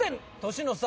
年の差